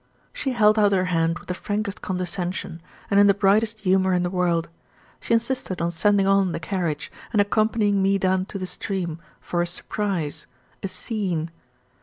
She held out her hand with the frankest condescension, and in the brightest humour in the world. She insisted on sending on the carriage, and accompanying me down to the stream, for a "surprise" a "scene."